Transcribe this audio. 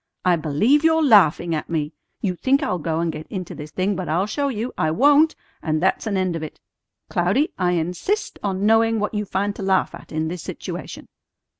I believe you're laughing at me! You think I'll go and get into this thing, but I'll show you. I won't! And that's an end of it. Cloudy, I insist on knowing what you find to laugh at in this situation."